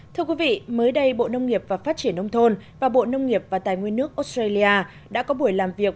thưa quý vị mới đây bộ nông nghiệp và phát triển nông thôn và bộ nông nghiệp và tài nguyên nước australia đã có buổi làm việc